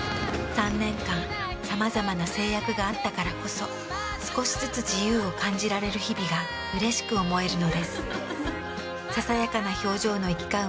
３年間さまざまな制約があったからこそ少しずつ自由を感じられる日々がうれしく思えるのです。